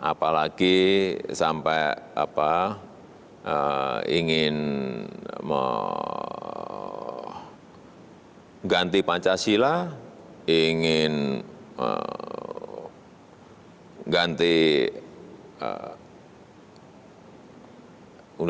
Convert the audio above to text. apalagi sampai ingin mengganti pancasila ingin mengganti uud seribu sembilan ratus empat puluh lima